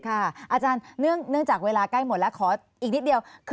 อาจารย์เนื่องจากเวลาใกล้หมดแล้วขออีกนิดเดียว